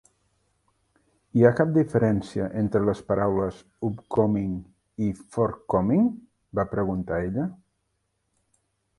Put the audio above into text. Hi ha cap diferència entre les paraules "Upcoming" i "forthcoming"?- va preguntar ella